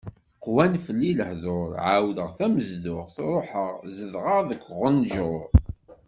Qwan fell-i lehḍur, ɛawdeɣ tamezduɣt, ruḥeɣ zedɣeɣ deg uɣenǧur.